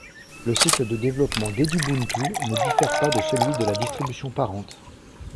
Le cycle de développement d'Edubuntu ne diffère pas de celui de la distribution parente.